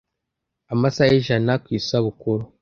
Amasaha ijana ku isabukuru